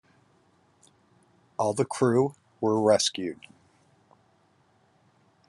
All the crew were rescued.